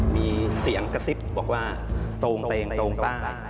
มีเสียงกระซิบบอกว่าตรงใต้